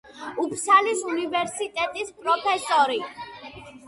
უფსალის უნივერსიტეტის პროფესორი.